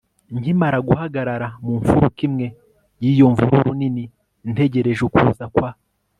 nkimara guhagarara mu mfuruka imwe y'iyo mvururu nini ntegereje ukuza kwa